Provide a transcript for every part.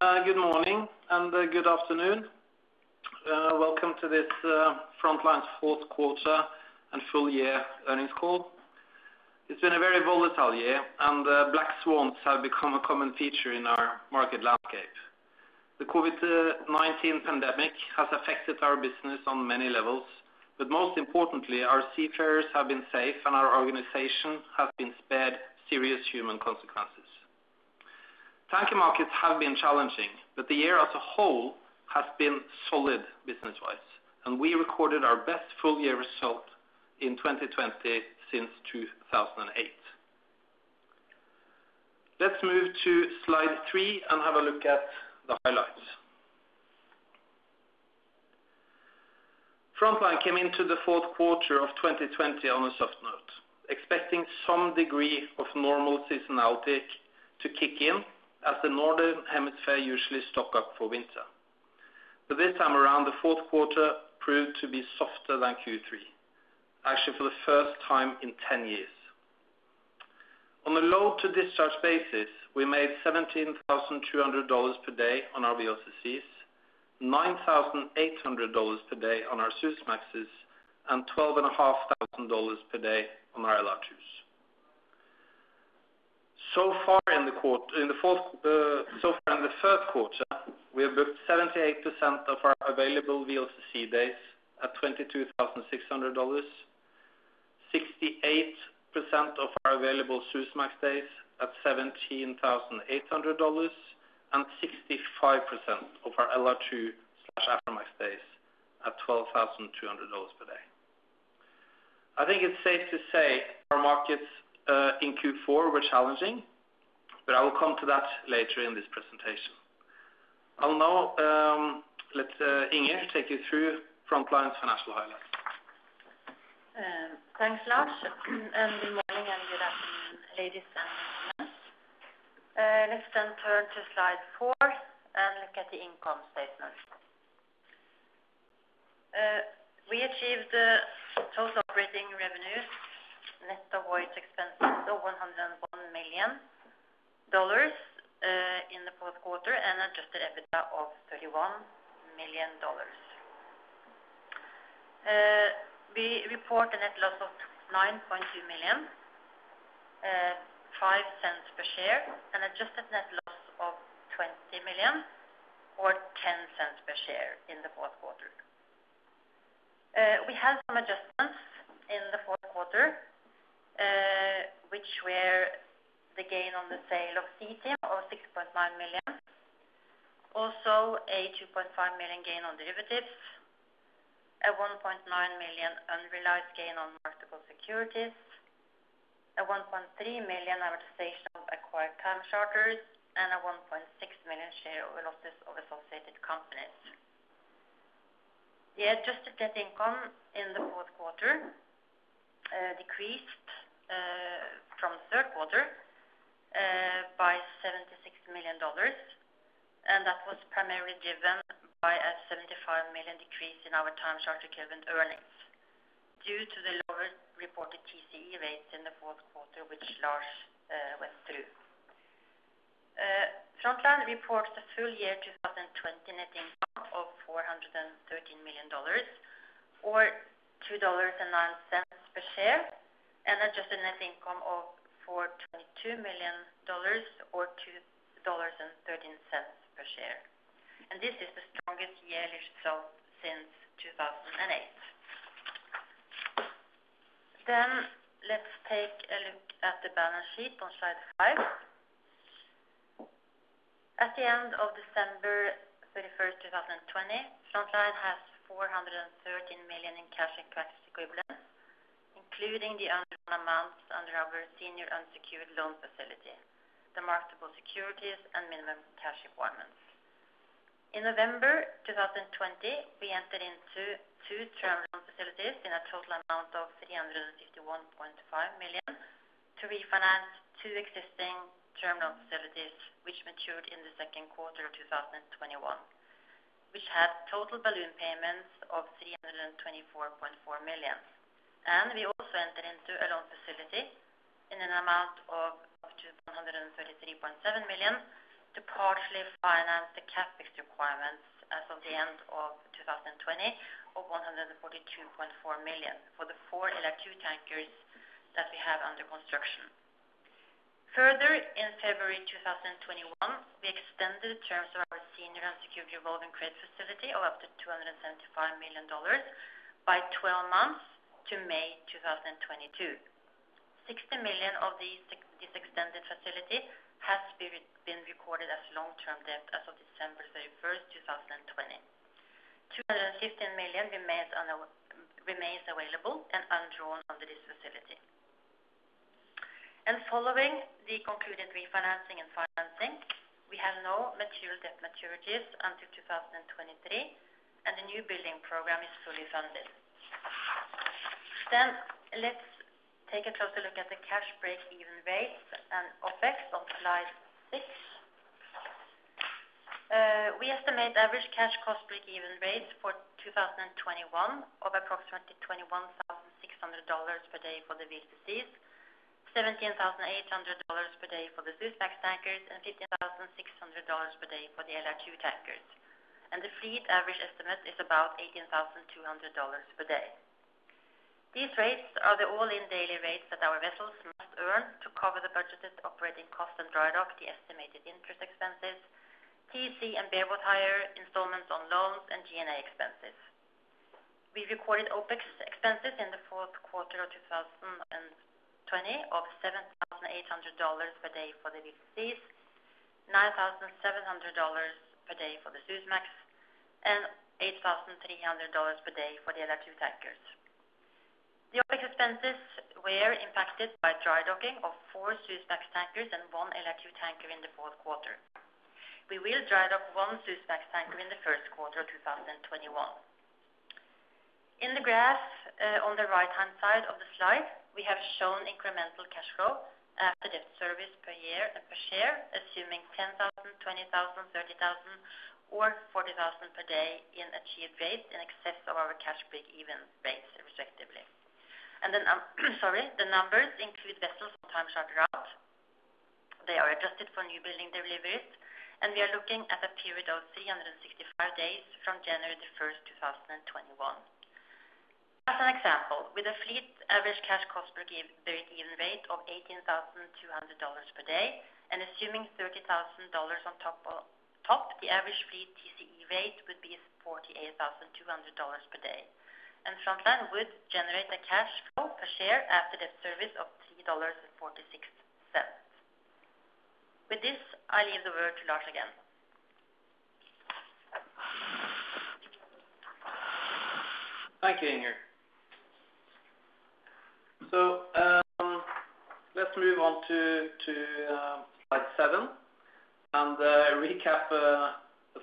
Good morning and good afternoon. Welcome to this Frontline fourth quarter and full year earnings call. It's been a very volatile year, and black swans have become a common feature in our market landscape. The COVID-19 pandemic has affected our business on many levels, but most importantly, our seafarers have been safe and our organization has been spared serious human consequences. Tanker markets have been challenging, but the year as a whole has been solid business-wise, and we recorded our best full year result in 2020 since 2008. Let's move to slide three and have a look at the highlights. Frontline came into the fourth quarter of 2020 on a soft note, expecting some degree of normal seasonality to kick in as the Northern Hemisphere usually stock up for winter. This time around, the fourth quarter proved to be softer than Q3, actually for the first time in 10 years. On a load to discharge basis, we made $17,200 per day on our VLCCs, $9,800 per day on our Suezmaxes, and $12,500 per day on our LR2s. So far in the third quarter, we have booked 78% of our available VLCC days at $22,600, 68% of our available Suezmax days at $17,800, and 65% of our LR2/Aframax days at $12,200 per day. I think it's safe to say our markets in Q4 were challenging, but I will come to that later in this presentation. I will now let Inger take you through Frontline's financial highlights. Thanks, Lars. Good morning and good afternoon, ladies and gentlemen. Let's turn to slide four and look at the income statement. We achieved the total operating revenues net of voyage expenses of $101 million in the fourth quarter and adjusted EBITDA of $31 million. We report a net loss of $9.2 million, $0.05 per share, an adjusted net loss of $20 million or $0.10 per share in the fourth quarter. We have some adjustments in the fourth quarter, which were the gain on the sale of SeaTeam of $6.9 million. Also, a $2.5 million gain on derivatives, a $1.9 million unrealized gain on marketable securities, a $1.3 million amortization of acquired time charters, and a $1.6 million share of losses of associated companies. The adjusted net income in the fourth quarter decreased from third quarter by $76 million. That was primarily driven by a $75 million decrease in our time charter equivalent earnings due to the lower reported TCE rates in the fourth quarter, which Lars went through. Frontline reports the full year 2020 net income of $413 million or $2.09 per share, adjusted net income of $422 million or $2.13 per share. This is the strongest yearly result since 2008. Let's take a look at the balance sheet on slide five. At the end of December 31, 2020, Frontline has $413 million in cash and cash equivalents, including the earned amounts under our senior unsecured loan facility, the marketable securities, and minimum cash requirements. In November 2020, we entered into two term loan facilities in a total amount of $351.5 million to refinance two existing term loan facilities which matured in the second quarter of 2021, which had total balloon payments of $324.4 million. We also entered into a loan facility in an amount of $233.7 million to partially finance the CapEx requirements as of the end of 2020 of $142.4 million for the four LR2 tankers that we have under construction. In February 2021, we extended the terms of our senior unsecured revolving credit facility of up to $275 million by 12 months to May 2022. $60 million of this extended facility has been recorded as long-term debt as of December 31st, 2020. $215 million remains available and undrawn under this facility. Following the concluded refinancing and financing, we have no material debt maturities until 2023, and the new building program is fully funded. Let's take a total look at the cash break-even rates and OpEx on slide six. We estimate average cash cost break-even rates for 2021 of approximately $21,000 per day for the VLCCs, $17,800 per day for the Suezmax tankers, and $15,600 per day for the LR2 tankers. The fleet average estimate is about $18,200 per day. These rates are the all-in daily rates that our vessels must earn to cover the budgeted operating cost and drydock, the estimated interest expenses, TCE and bareboat hire installments on loans and G&A expenses. We recorded OpEx expenses in the fourth quarter of 2020 of $7,800 per day for the VLCCs, $9,700 per day for the Suezmax and $8,300 per day for the LR2 tankers. The OpEx expenses were impacted by drydocking of four Suezmax tankers and one LR2 tanker in the fourth quarter. We will drydock one Suezmax tanker in the first quarter of 2021. In the graph, on the right-hand side of the slide, we have shown incremental cash flow after debt service per year and per share, assuming 10,000, 20,000, 30,000 or 40,000 per day in achieved rates in excess of our cash break-even rates respectively. Sorry. The numbers include vessels on time charterer out. They are adjusted for new building deliveries, and we are looking at a period of 365 days from January 1st, 2021. As an example, with a fleet average cash cost break-even rate of $18,200 per day, and assuming $30,000 on top, the average fleet TCE rate would be $48,200 per day. Frontline would generate a cash flow per share after debt service of $3.46. With this, I leave the word to Lars again. Thank you, Inger. Let's move on to slide seven and recap the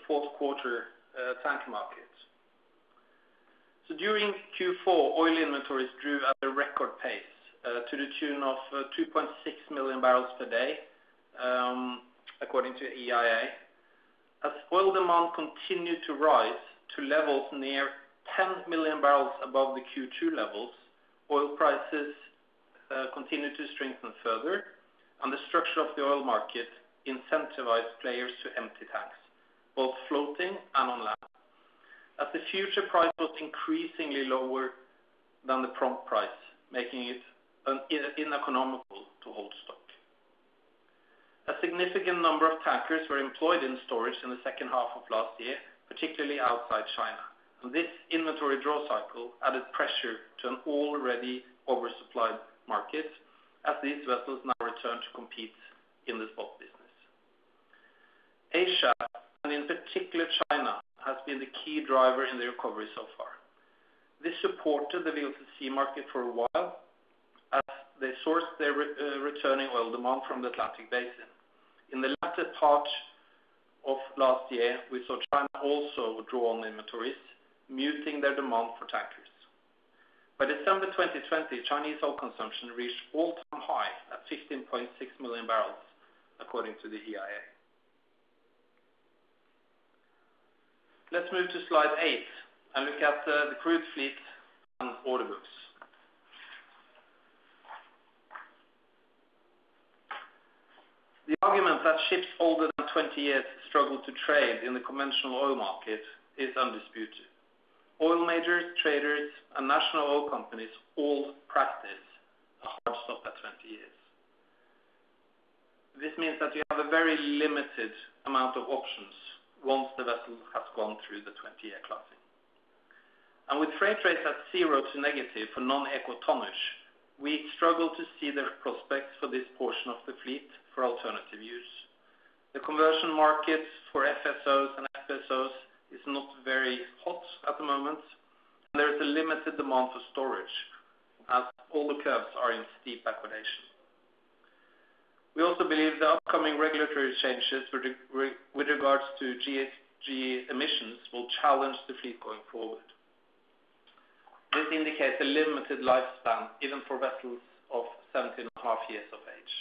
fourth quarter tanker market. During Q4, oil inventories drew at a record pace, to the tune of 2.6 million bpd, according to EIA. As oil demand continued to rise to levels near 10 million barrels above the Q2 levels, oil prices continued to strengthen further and the structure of the oil market incentivized players to empty tanks, both floating and on land. As the future price was increasingly lower than the prompt price, making it uneconomical to hold stock. A significant number of tankers were employed in storage in the second half of last year, particularly outside China. This inventory draw cycle added pressure to an already oversupplied market as these vessels now return to compete in the spot business. Asia, and in particular China, has been the key driver in the recovery so far. This supported the VLCC market for a while as they sourced their returning oil demand from the Atlantic Basin. In the latter part of last year, we saw China also draw on inventories, muting their demand for tankers. By December 2020, Chinese oil consumption reached all-time high at 15.6 million barrels, according to the EIA. Let's move to slide eight and look at the crude fleet and order books. The argument that ships older than 20 years struggle to trade in the conventional oil market is undisputed. Oil majors, traders, and national oil companies all practice a hard stop at 20 years. This means that you have a very limited amount of options once the vessel has gone through the 20-year classing. With freight rates at zero to negative for non-eco tonnage, we struggle to see the prospects for this portion of the fleet for alternative use. The conversion markets for FSOs and FPSOs is not very hot at the moment, and there is a limited demand for storage as all the curves are in steep backwardation. We also believe the upcoming regulatory changes with regards to GHG emissions will challenge the fleet going forward. This indicates a limited lifespan even for vessels of 17.5 years of age.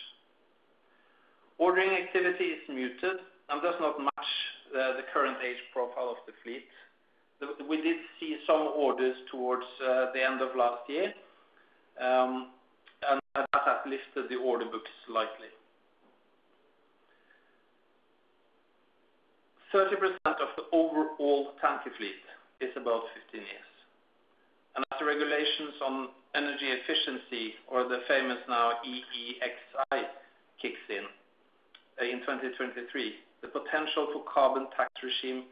Ordering activity is muted and does not match the current age profile of the fleet. We did see some orders towards the end of last year, and that has lifted the order book slightly. 30% of the overall tanker fleet is above 15 years. As the regulations on energy efficiency or the famous now EEXI kicks in in 2023, the potential for carbon tax regime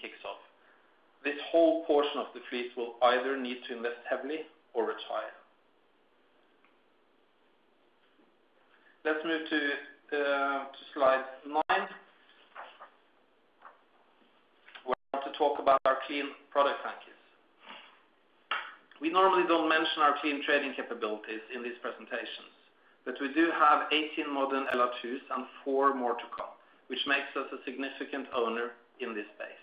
kicks off. This whole portion of the fleet will either need to invest heavily or retire. Let's move to slide nine, where I want to talk about our clean product tankers. We normally don't mention our clean trading capabilities in these presentations, but we do have 18 modern LR2s and four more to come, which makes us a significant owner in this space.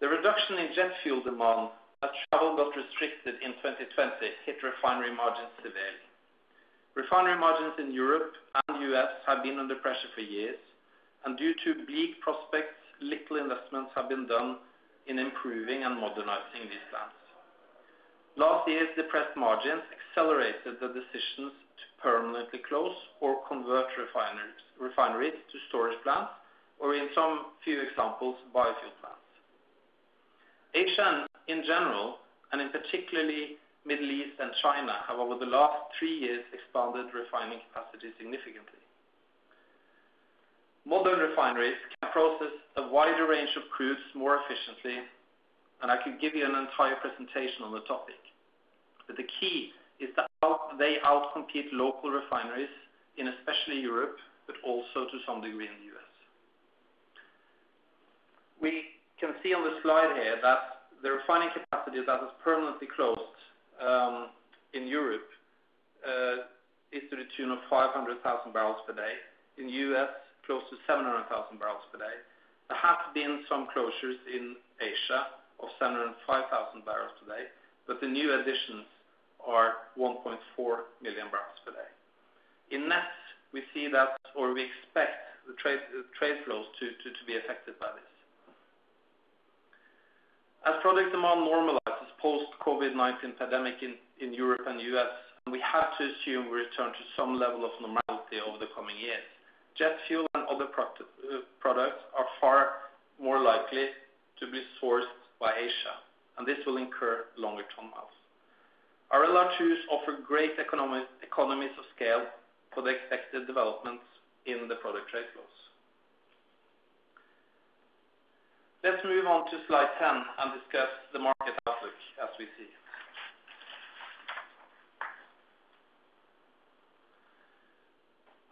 The reduction in jet fuel demand as travel got restricted in 2020 hit refinery margins severely. Refinery margins in Europe and U.S. have been under pressure for years, and due to bleak prospects, little investments have been done in improving and modernizing these plants. Last year's depressed margins accelerated the decisions to permanently close or convert refineries to storage plants, or in some few examples, biofuel plants. Asia, in general, and in particularly Middle East and China, have over the last three years expanded refining capacity significantly. Modern refineries can process a wider range of crudes more efficiently. I could give you an entire presentation on the topic. The key is how they out-compete local refineries in especially Europe, but also to some degree in the U.S. We can see on the slide here that the refining capacity that has permanently closed in Europe is to the tune of 500,000 bpd. In U.S., close to 700,000 bpd. There have been some closures in Asia of 705,000 bpd. The new additions are 1.4 million bpd. In net, we see that or we expect the trade flows to be affected by this. As product demand normalizes post-COVID-19 pandemic in Europe and U.S., we have to assume we return to some level of normality over the coming years. Jet fuel and other products are far more likely to be sourced by Asia, and this will incur longer ton miles. Our larger ships offer great economies of scale for the expected developments in the product trade flows. Let's move on to slide 10 and discuss the market outlook as we see it.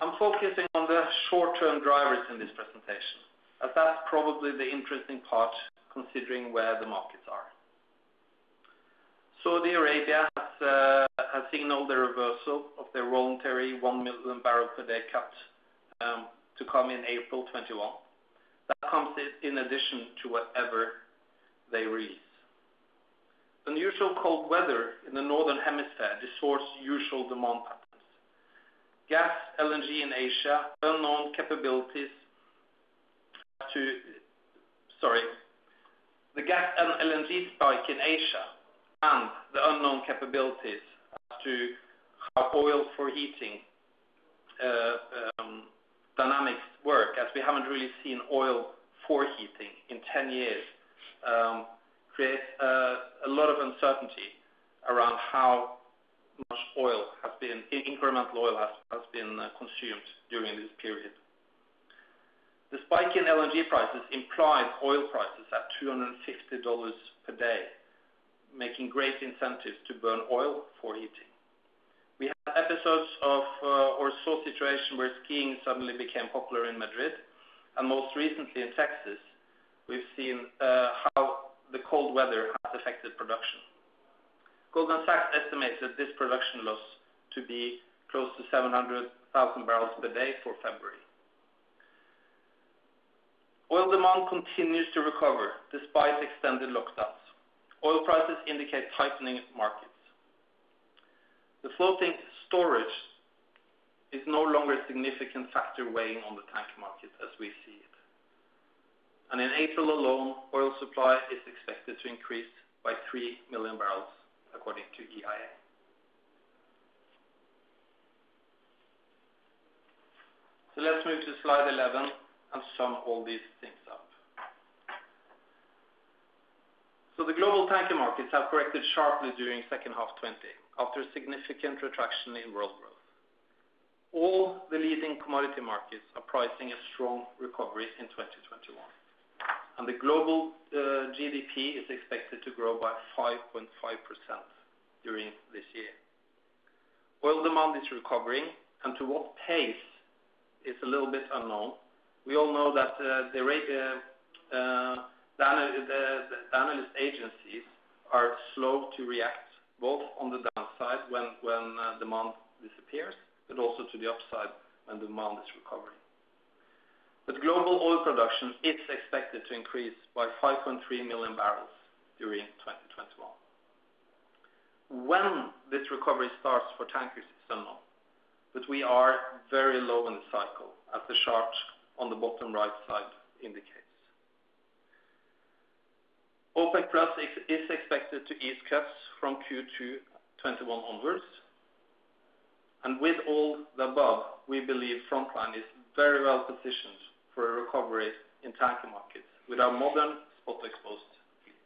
I'm focusing on the short-term drivers in this presentation, as that's probably the interesting part considering where the markets are. Saudi Arabia has signaled the reversal of their voluntary 1 million bpd cut to come in April 2021. That comes in addition to whatever they release. Unusual cold weather in the northern hemisphere distorts usual demand patterns. The gas LNG spike in Asia and the unknown capabilities as to how oil for heating dynamics work, as we haven't really seen oil for heating in 10 years, create a lot of uncertainty around how much incremental oil has been consumed during this period. The spike in LNG prices implies oil prices at $260 per day, making great incentives to burn oil for heating. We have episodes of or saw situation where skiing suddenly became popular in Madrid, and most recently in Texas, we've seen how the cold weather has affected production. Goldman Sachs estimates this production loss to be close to 700,000 bpd for February. Oil demand continues to recover despite extended lockdowns. Oil prices indicate tightening markets. The floating storage is no longer a significant factor weighing on the tank market as we see it. In April alone, oil supply is expected to increase by three million barrels, according to EIA. Let's move to slide 11 and sum all these things up. The global tanker markets have corrected sharply during second half 2020 after a significant retraction in world growth. All the leading commodity markets are pricing a strong recovery in 2021, and the global GDP is expected to grow by 5.5% during this year. Oil demand is recovering, and to what pace is a little bit unknown. We all know that the analyst agencies are slow to react, both on the downside when demand disappears, but also to the upside when demand is recovering. Global oil production is expected to increase by 5.3 million barrels during 2021. When this recovery starts for tankers is unknown, but we are very low in the cycle as the chart on the bottom right side indicates. OPEC+ is expected to ease caps from Q2 2021 onwards, and with all the above, we believe Frontline is very well-positioned for a recovery in tanker markets with our modern spot-exposed fleet.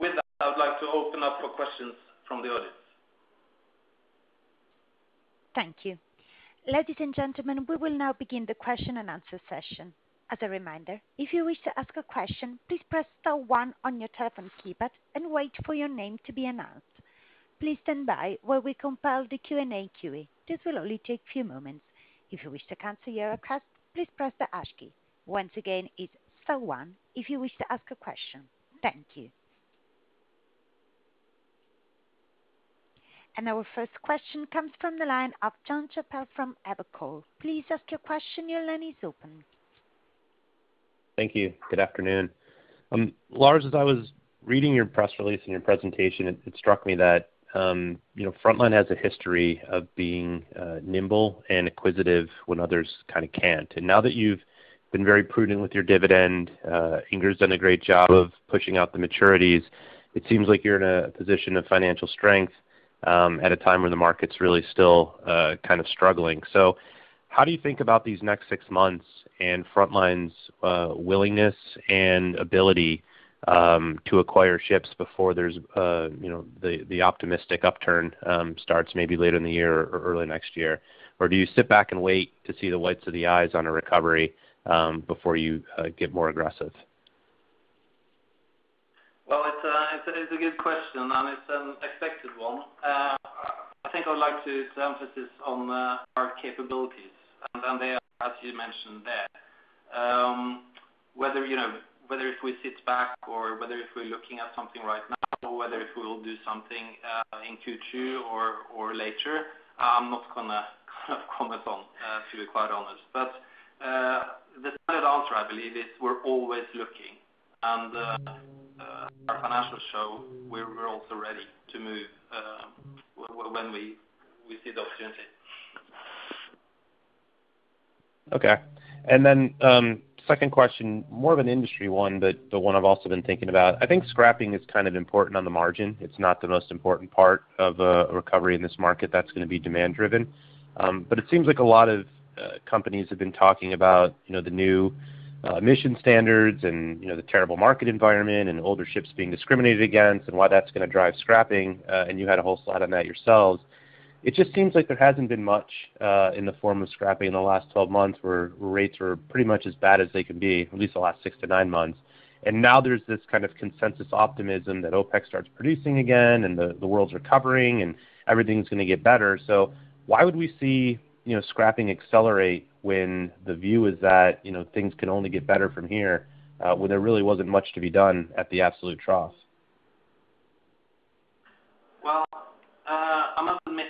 With that, I would like to open up for questions from the audience. Thank you. Ladies and gentlemen, we will now begin the question and answer session. As a reminder, if you wish to ask a question, please press star one on your telephone keypad and wait for your name to be announced. Please stand by while we compile the Q&A queue. This will only take few moments. If you wish to cancel your request, please press the hash key. Once again, it's star one if you wish to ask a question. Thank you. And our first question comes from the line of Jon Chappell from Evercore. Please ask your question. Your line is open. Thank you. Good afternoon. Lars, as I was reading your press release and your presentation, it struck me that Frontline has a history of being nimble and acquisitive when others can't. Now that you've been very prudent with your dividend, Inger's done a great job of pushing out the maturities. It seems like you're in a position of financial strength at a time when the market's really still struggling. How do you think about these next six months and Frontline's willingness and ability to acquire ships before the optimistic upturn starts maybe later in the year or early next year? Do you sit back and wait to see the whites of the eyes on a recovery before you get more aggressive? Well, it's a good question. It's an expected one. I think I would like to emphasize on our capabilities. They are, as you mentioned there. Whether if we sit back or whether if we're looking at something right now or whether if we will do something in Q2 or later, I'm not going to comment on, to be quite honest. The third answer, I believe is we're always looking. Our financials show we are also ready to move when we see the opportunity. Okay. Second question, more of an industry one, but the one I've also been thinking about. I think scrapping is important on the margin. It's not the most important part of a recovery in this market that's going to be demand-driven. It seems like a lot of companies have been talking about the new emission standards and the terrible market environment and older ships being discriminated against and why that's going to drive scrapping, and you had a whole slide on that yourselves. It just seems like there hasn't been much in the form of scrapping in the last 12 months where rates were pretty much as bad as they could be, at least the last six-nine months. There's this kind of consensus optimism that OPEC starts producing again and the world's recovering and everything's going to get better. Why would we see scrapping accelerate when the view is that things could only get better from here when there really wasn't much to be done at the absolute trough? Well, I must admit,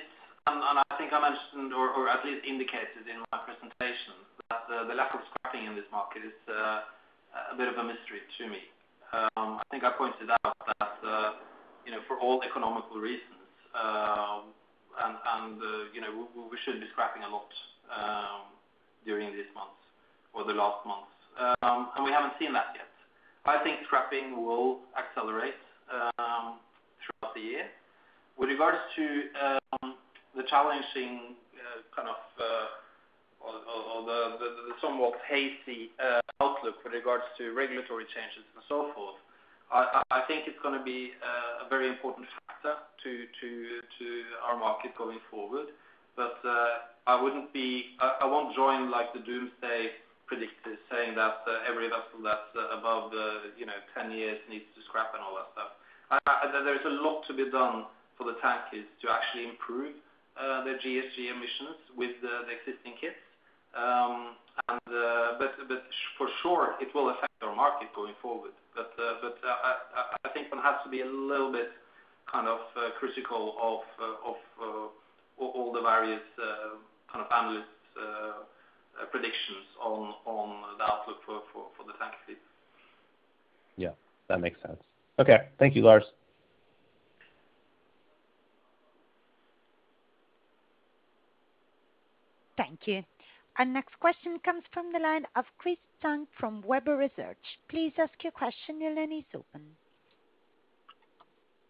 and I think I mentioned or at least indicated in my presentation that the lack of scrapping in this market is a bit of a mystery to me. I think I pointed out that for all economical reasons, and we should be scrapping a lot during this month or the last month, and we haven't seen that yet. I think scrapping will accelerate throughout the year. With regards to the challenging kind of, or the somewhat hazy outlook with regards to regulatory changes and so forth, I think it's going to be a very important factor to our market going forward. I won't join the doomsday predictors saying that every vessel that's above 10 years needs to scrap and all that stuff. There is a lot to be done for the tankers to actually improve their GHG emissions with the existing kits. For sure, it will affect our market going forward. I think one has to be a little bit critical of all the various kind of analyst predictions on the outlook for the tank ships. Yeah, that makes sense. Okay. Thank you, Lars. Thank you. Our next question comes from the line of Chris Tsung from Webber Research. Please ask your question, your line is open.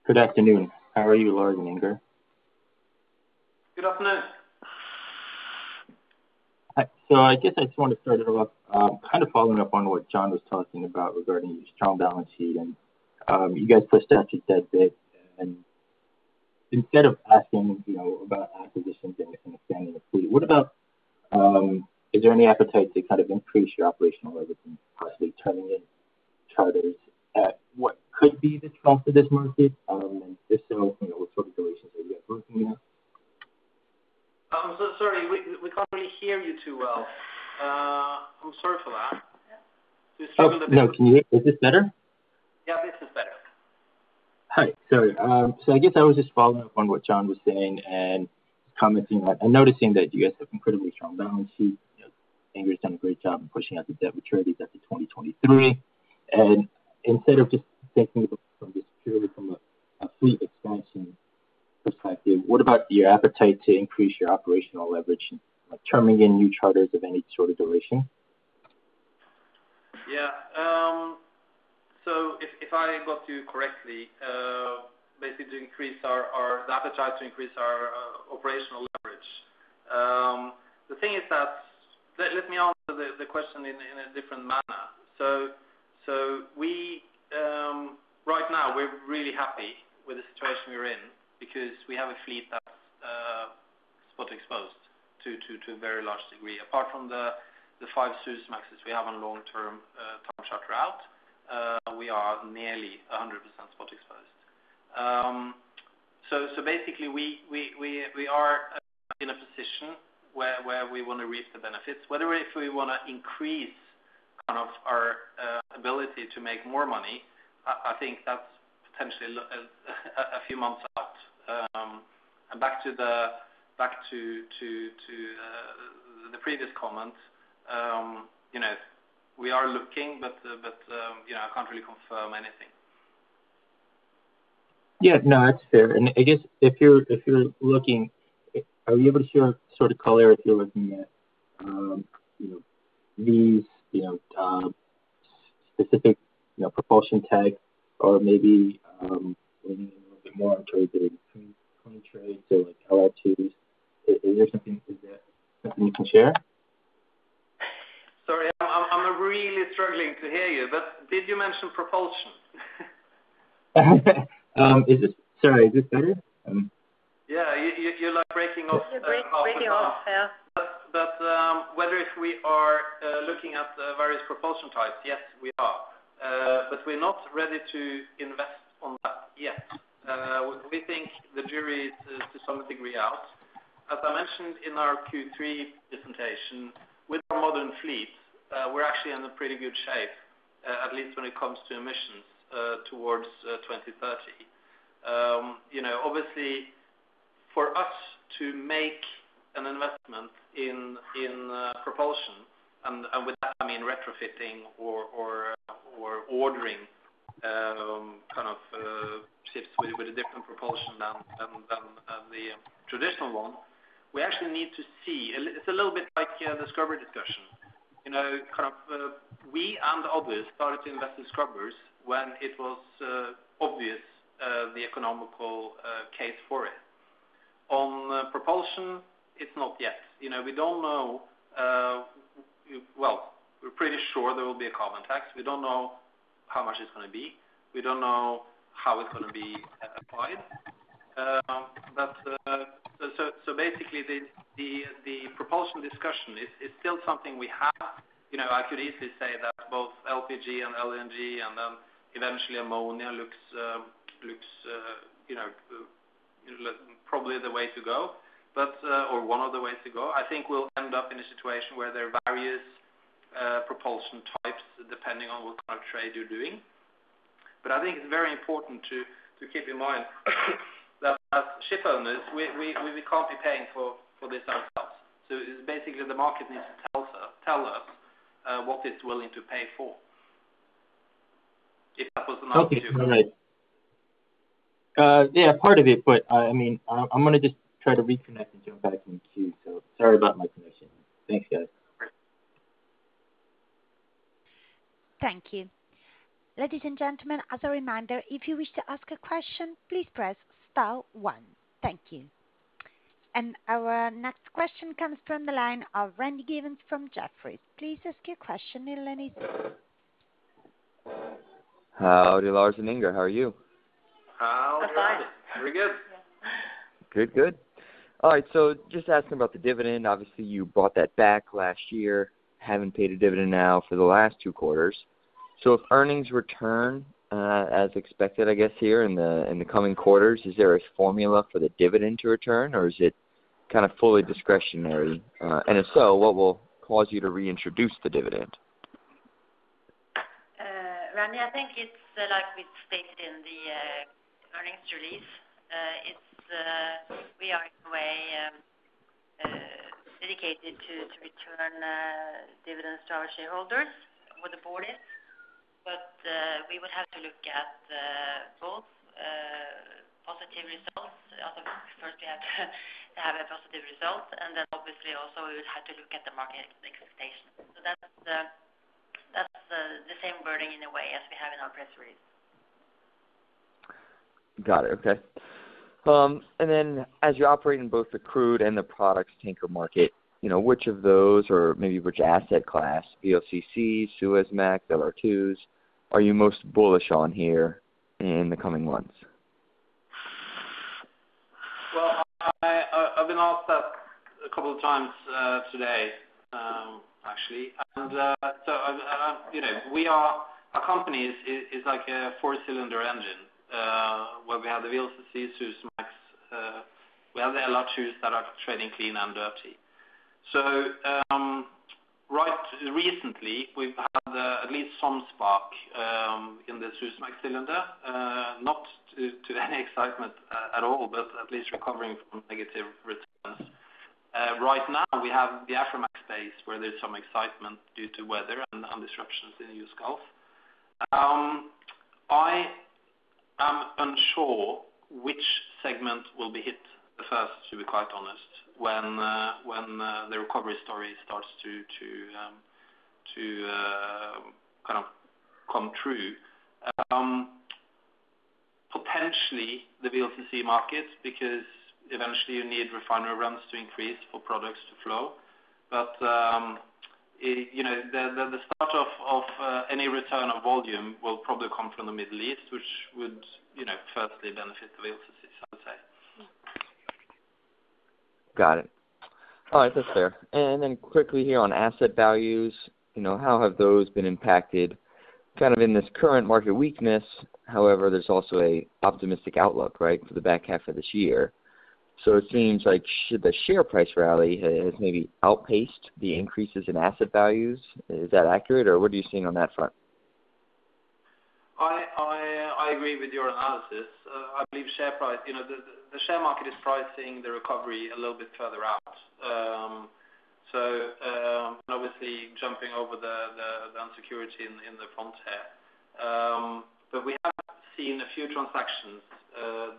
Good afternoon. How are you, Lars and Inger? Good afternoon. Hi. I guess I just want to start it off, kind of following up on what Jon was talking about regarding your strong balance sheet. You guys pushed out your debt a bit, instead of asking about acquisitions and expanding the fleet, is there any appetite to increase your operational leverage and possibly terming in charters at what could be the trough of this market? If so, what sort of durations are you guys looking at? I'm so sorry. We can't really hear you too well. I'm sorry for that. Oh, no, Is this better? Yeah, this is better. Hi. Sorry. I guess I was just following up on what Jon was saying and commenting and noticing that you guys have incredibly strong balance sheet. Inger's done a great job in pushing out the debt maturities up to 2023. Instead of just thinking about this purely from a fleet expansion perspective, what about your appetite to increase your operational leverage and terming in new charters of any sort of duration? Yeah. If I got you correctly, basically the appetite to increase our operational leverage. Let me answer the question in a different manner. Right now we're really happy with the situation we're in because we have a fleet that's spot exposed to a very large degree. Apart from the five Suezmaxes we have on long-term time charter out, we are nearly 100% spot exposed. Basically we are in a position where we want to reap the benefits. Whether if we want to increase our ability to make more money, I think that's potentially a few months out. Back to the previous comment. We are looking, but I can't really confirm anything. Yeah, no, that's fair. I guess if you're looking, are you able to sort of color if you're looking at these specific propulsion tech or maybe leaning a little bit more into the contrary to like LR2s? Is there something you can share? Sorry, I'm really struggling to hear you, but did you mention propulsion? Sorry, is this better? Yeah, you're like breaking up. Yes, you're breaking up, yeah. Whether if we are looking at the various propulsion types, yes, we are. We are not ready to invest on that yet. We think the jury is, to some degree, out. As I mentioned in our Q3 presentation with our modern fleet, we're actually in a pretty good shape, at least when it comes to emissions towards 2030. Obviously for us to make an investment in propulsion and with that, I mean retrofitting or ordering kind of ships with a different propulsion than the traditional one. We actually need to see. It's a little bit like a scrubber discussion, kind of we and others started to invest in scrubbers when it was obvious the economical case for it. On propulsion, it's not yet. We don't know. Well, we're pretty sure there will be a carbon tax. We don't know how much it's going to be. We don't know how it's going to be applied. Basically the propulsion discussion is still something we have. I could easily say that both LPG and LNG and then eventually ammonia looks probably the way to go, or one of the ways to go. I think we'll end up in a situation where there are various propulsion types depending on what kind of trade you're doing. I think it's very important to keep in mind that as ship owners, we can't be paying for this ourselves. It is basically the market needs to tell us what it's willing to pay for. If that was an answer to? Okay. All right. Yeah, part of it, but I'm going to just try to reconnect and jump back in the queue, so sorry about my connection. Thanks, guys. Thank you. Ladies and gentlemen, as a reminder, if you wish to ask a question, please press star one. Thank you. Our next question comes from the line of Randy Giveans from Jefferies. Please ask your question in a minute. Howdy, Lars and Inger. How are you? How are you? Very good. Am fine. Good. All right. Just asking about the dividend, obviously you bought that back last year. Haven't paid a dividend now for the last two quarters. If earnings return, as expected, I guess, here in the coming quarters, is there a formula for the dividend to return or is it kind of fully discretionary? If so, what will cause you to reintroduce the dividend? Randy, I think it's like we stated in the earnings release. We are in a way dedicated to return dividends to our shareholders where the board is. We would have to look at both positive results. First, we have to have a positive result, then obviously also we would have to look at the market expectations. That's the same wording in a way as we have in our press release. Got it. Okay. As you operate in both the crude and the products tanker market, which of those or maybe which asset class VLCC, Suezmax, LR2s are you most bullish on here in the coming months? Well, I've been asked that a couple of times today actually. Our company is like a four-cylinder engine, where we have the VLCC, Suezmax. We have the LR2s that are trading clean and dirty. Recently we've had at least some spark in the Suezmax cylinder, not to any excitement at all, but at least recovering from negative returns. Right now we have the Aframax space where there's some excitement due to weather and disruptions in the U.S. Gulf. I am unsure which segment will be hit the first, to be quite honest, when the recovery story starts to kind of come true. Potentially the VLCC market because eventually you need refinery runs to increase for products to flow. The start of any return of volume will probably come from the Middle East, which would firstly benefit the VLCC, I would say. Yeah. Got it. All right, that's fair. Then quickly here on asset values, how have those been impacted kind of in this current market weakness? However, there's also an optimistic outlook, right, for the back half of this year. It seems like the share price rally has maybe outpaced the increases in asset values. Is that accurate or what are you seeing on that front? I agree with your analysis. I believe the share market is pricing the recovery a little bit further out. Obviously jumping over the uncertainty in the front here. We have seen a few transactions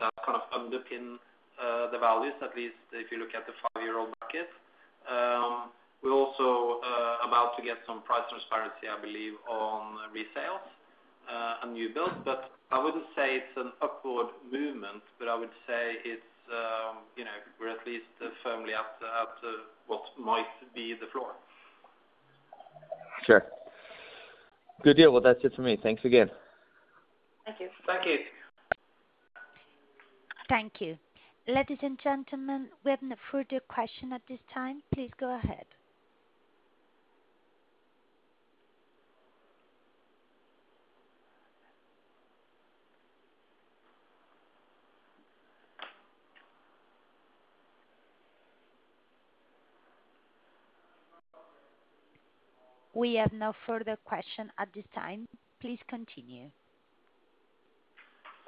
that kind of underpin the values, at least if you look at the five-year-old bucket. We're also about to get some price transparency, I believe, on resales and new builds, but I wouldn't say it's an upward movement, but I would say we're at least firmly at what might be the floor. Sure. Good deal. Well, that's it for me. Thanks again. Thank you. Thank you. Thank you. Ladies and gentlemen, we have no further question at this time. Please go ahead. We have no further question at this time. Please continue.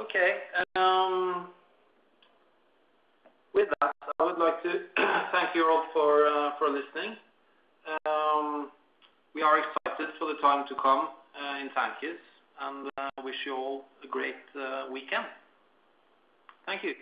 Okay. With that, I would like to thank you all for listening. We are excited for the time to come in tankers and wish you all a great weekend. Thank you.